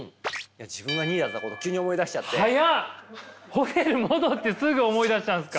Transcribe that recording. ホテル戻ってすぐ思い出したんですか？